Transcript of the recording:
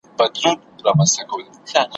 سلمان وویل قسمت کړي وېشونه `